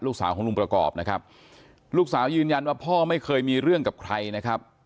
ลูกสาวของลุงประกอบนะครับลูกสาวยืนยันว่าพ่อไม่เคยมีเรื่องกับใครนะครับ